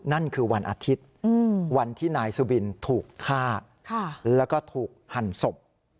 นั่นคือวันอาทิตย์วันที่นายสุบินถูกฆ่าแล้วก็ถูกหั่นศพ